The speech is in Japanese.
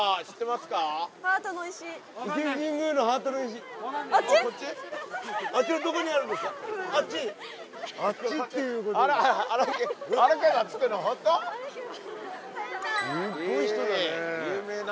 すっごい人だね。